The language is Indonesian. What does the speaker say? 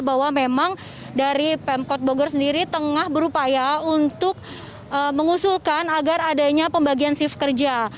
bahwa memang dari pemkot bogor sendiri tengah berupaya untuk mengusulkan agar adanya pembagian shift kerja